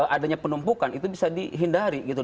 adanya penumpukan itu bisa dihindari gitu